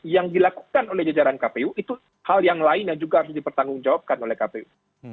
yang dilakukan oleh jajaran kpu itu hal yang lain yang juga harus dipertanggungjawabkan oleh kpu